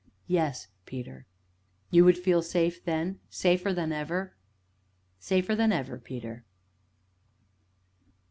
"Yes, Peter." "You would feel safe, then safer than ever?" "Safer than ever, Peter."